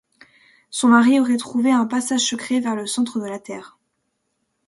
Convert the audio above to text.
Son mari aurait trouvé un passage secret vers le centre de la Terre.